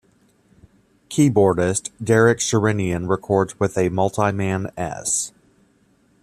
Keyboardist Derek Sherinian records with a Multiman-S.